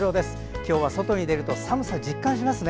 今日は外に出ると寒さ実感しますね。